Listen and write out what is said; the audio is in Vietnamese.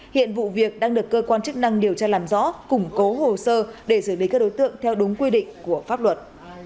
hiện vụ việc đang được cơ quan chức năng điều tra làm rõ củng cố hồ sơ để xử lý các đối tượng theo đúng quy định của pháp luật